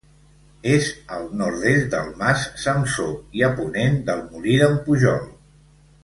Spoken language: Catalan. És al nord-est del Mas Samsó i a ponent del Molí d'en Pujol.